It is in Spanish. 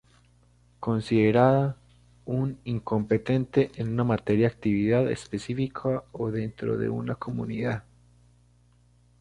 Considerada un incompetente en una materia actividad específica o dentro de una comunidad.